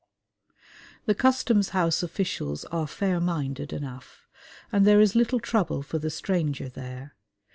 The Customs House officials are fair minded enough, and there is little trouble for the stranger there.